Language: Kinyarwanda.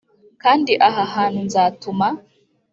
Kandi aha hantu nzatuma